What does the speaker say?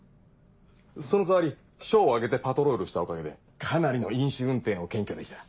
その代わり署を挙げてパトロールしたおかげでかなりの飲酒運転を検挙できた。